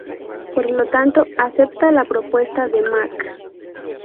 Por lo tanto, acepta la propuesta de Mac.